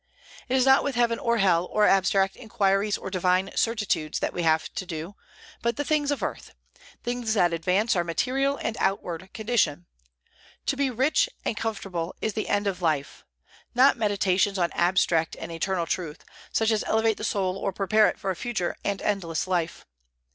It is not with heaven or hell, or abstract inquiries, or divine certitudes, that we have to do, but the things of earth, things that advance our material and outward condition. To be rich and comfortable is the end of life, not meditations on abstract and eternal truth, such as elevate the soul or prepare it for a future and endless life.